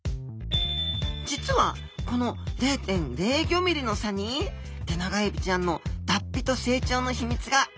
実はこの０．０５ｍｍの差にテナガエビちゃんの脱皮と成長の秘密があるんです。